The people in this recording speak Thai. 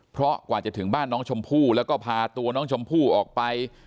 เพราะกว่าจะถึงบ้านน้องชมพู่แล้วก็พาตัวน้องชมพู่ออกไป